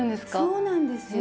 そうなんですよ。